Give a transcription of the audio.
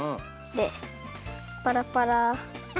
でパラパラ。